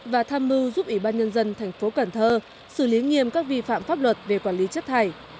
và tham mưu giúp ủy ban nhân dân thành phố cần thơ xử lý nghiêm các vi phạm pháp luật về quản lý chất thải